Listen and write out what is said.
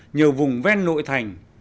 nhờ vùng ven nội thành